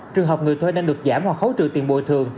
trường hợp người thuê đang được giảm hoặc khấu trừ tiền bồi thường